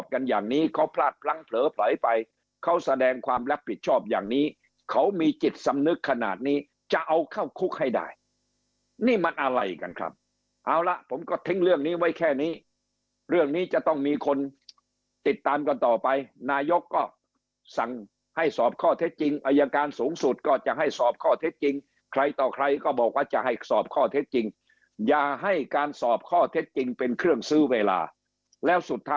กันอย่างนี้เขาพลาดพลั้งเผลอไผลไปเขาแสดงความรับผิดชอบอย่างนี้เขามีจิตสำนึกขนาดนี้จะเอาเข้าคุกให้ได้นี่มันอะไรกันครับเอาละผมก็เท้งเรื่องนี้ไว้แค่นี้เรื่องนี้จะต้องมีคนติดตามกันต่อไปนายกก็สั่งให้สอบข้อเท็จจริงอัยการสูงสุดก็จะให้สอบข้อเท็จจริงใครต่อใครก็บอกว่าจะให้สอบข้อเท็จ